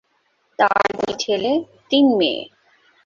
তার দুই ছেলে, তিন মেয়ে।